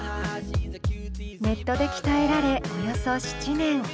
ネットで鍛えられおよそ７年。